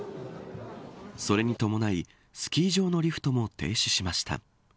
それに伴いスキー場のリフトも停止しました。